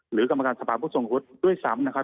หรือกรรมการสภาพุทธสงครุฑด้วยซ้ำ